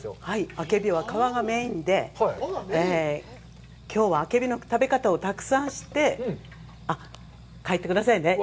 あけびは皮がメインで、きょうはあけびの食べ方をたくさん知って帰ってくださいね。